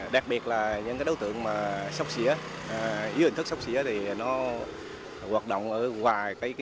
đặc biệt là những đối tượng sốc xỉa yếu hình thức sốc xỉa thì nó hoạt động ở hoài